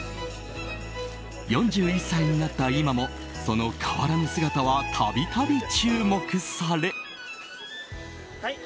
４１歳になった今もその変わらぬ姿は度々注目され。